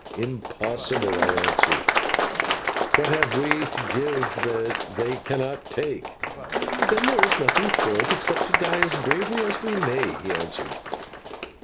"Impossible," I answered, "what have we to give that they cannot take?" "Then there is nothing for it except to die as bravely as we may," he answered.